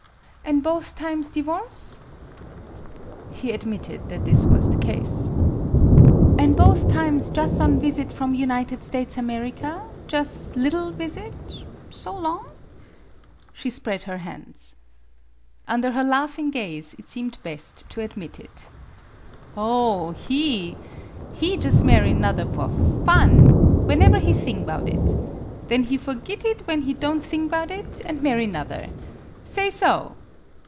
" An" both times divorce ?" He admitted that this was the case. " An' both times jus' on visit from United States America jus' liddle visit? so long ?" She spread her hands. Under her laughing gaze it seemed best to admit it. " Oh ! be he jus' marry 'nother for fun whenever he thing 'bout it. Then he forgit it when he don' thing 'bout it, and marry 'nother. Say so!"